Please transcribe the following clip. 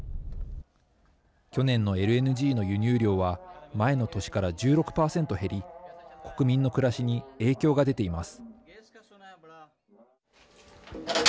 去年のＬＮＧの輸入量は前の年から１６％減り国民の暮らしに影響が出ています。